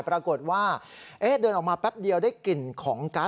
ปรากฏว่าเดินออกมาแป๊บเดียวได้กลิ่นของกัส